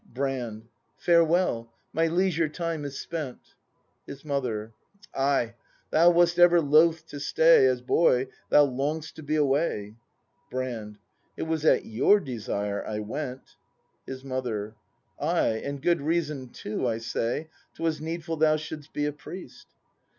Brand Farewell. My leisure time is spent. His Mother. Ay, thou wast ever loth to stay. As boy thou long'dst to be away — Brand. It was at your desire I went. His Mother. Ay, and good reason too, I say 'Twas needful thou shouldst be a priest.